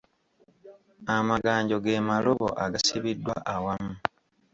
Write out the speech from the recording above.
Amaganjo ge malobo agasibiddwa awamu.